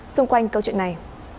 xung quanh câu chuyện này